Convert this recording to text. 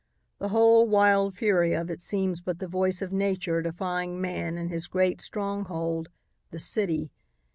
The whole wild fury of it seems but the voice of nature defying man in his great stronghold, the city.